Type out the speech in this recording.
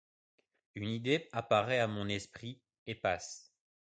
Une idée apparaît à mon esprit, et passe ;